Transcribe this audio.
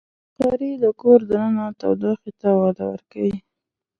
بخاري د کور دننه تودوخې ته وده ورکوي.